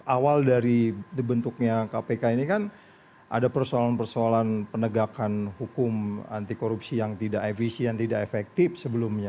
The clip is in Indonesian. awal dari dibentuknya kpk ini kan ada persoalan persoalan penegakan hukum anti korupsi yang tidak efisien tidak efektif sebelumnya